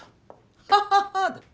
ハハハ！